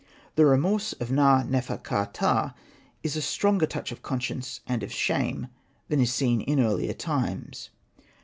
The remorse of Na.nefer. ka.ptah is a stronger touch of conscience and of shame than is seen in early times.